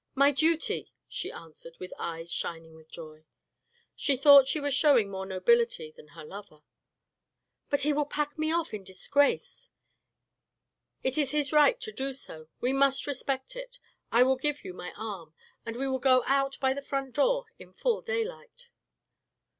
" My duty," she answered with eyes shining with joy. She thought she was showing more nobility than her lover. " But he will pack me off in disgrace." " It is his right to do so, we must respect it. I will give you my arm, and we will go out by the front door in full daylight."